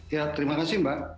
ya terima kasih mbak